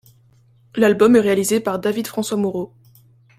L'album est réalisé par David François Moreau.